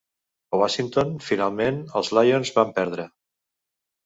A Washington, finalment els Lions van perdre.